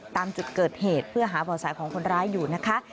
ตามจุดเกิดเหตุเพื่อหาบ่อแสของคนร้ายอยู่นะคะ